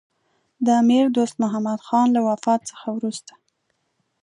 د امیر دوست محمدخان له وفات څخه وروسته.